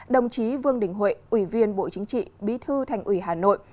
đồng chí vương đình huệ ủy viên bộ chính trị bí thư thành ủy hà nội